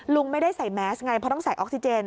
ลุงไม่ได้ใส่แมสไงเพราะต้องใส่ออกซิเจน